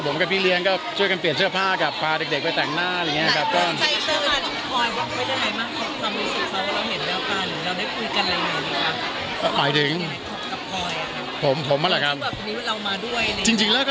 ผมกับพี่เรียนก็ช่วยกันเปลี่ยนเสื้อผ้ากับพาเด็กไปแต่งหน้า